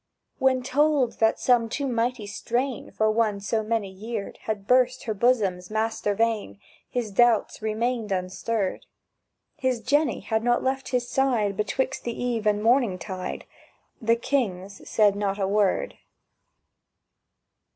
When told that some too mighty strain For one so many yeared Had burst her bosom's master vein, His doubts remained unstirred. His Jenny had not left his side Betwixt the eve and morning tide: —The King's said not a word.